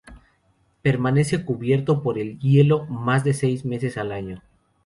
Permanece cubierto por el hielo más de seis meses al año.